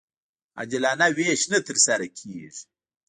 عادلانه وېش نه ترسره کېږي.